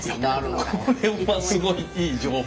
これはすごいいい情報。